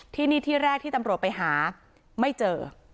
ที่นี่ที่แรกที่ตำรวจไปหาไม่เจอ